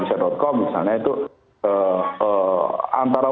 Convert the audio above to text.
antara warga yang pro dan pro